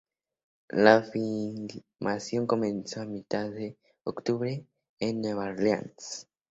La filmación comenzó a mitad de octubre en Nueva Orleans.